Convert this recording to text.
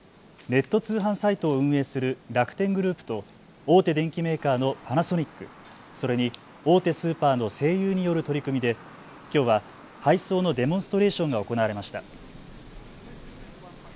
ネット通販サイトを運営する楽天グループと大手電機メーカーのパナソニック、それに大手スーパーの西友による取り組みできょうは配送のデモンストレーションが行われました。